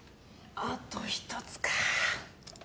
あと１つか。